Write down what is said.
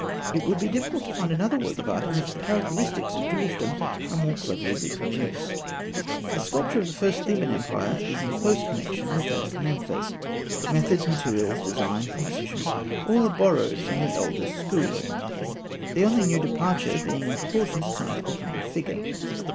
It would be difficult to find another work of art in which the characteristics of dwarfdom are more cleverly reproduced. The sculpture of the first Theban empire is in close connection with that of Memphis. Methods, materials, design, composition, all are borrowed from the elder school; the only new departure being in the proportions assigned to the human figure.